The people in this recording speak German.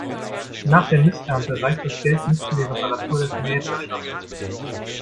Nach der Missernte reicht das Geld nicht für die Reparatur des Mähdreschers.